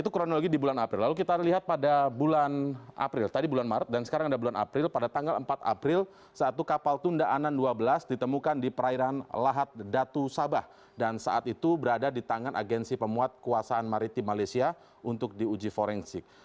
kepala tunda anan dua belas ditemukan di perairan lahat datu sabah dan saat itu berada di tangan agensi pemuat kuasaan maritim malaysia untuk diuji forensik